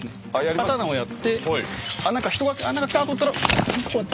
刀をやって何か人が来たと思ったらこうやって。